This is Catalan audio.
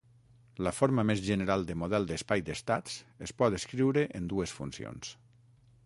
La forma més general de model d'espai d'estats es pot escriure en dues funcions.